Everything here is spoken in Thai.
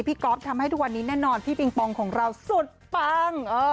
ก๊อฟทำให้ทุกวันนี้แน่นอนพี่ปิงปองของเราสุดปัง